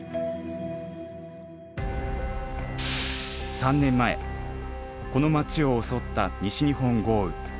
３年前この町を襲った西日本豪雨。